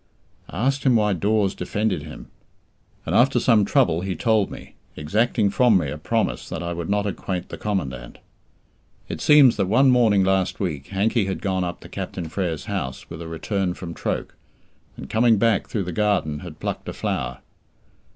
I asked him why Dawes defended him; and after some trouble he told me, exacting from me a promise that I would not acquaint the Commandant. It seems that one morning last week, Hankey had gone up to Captain Frere's house with a return from Troke, and coming back through the garden had plucked a flower.